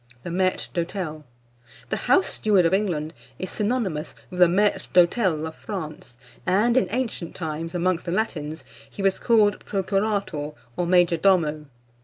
THE MAÎTRE D'HÔTEL. The house steward of England is synonymous with the maître d'hôtel of France; and, in ancient times, amongst the Latins, he was called procurator, or major domo.